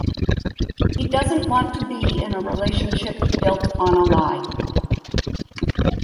He doesn't want to be in a relationship built on a lie.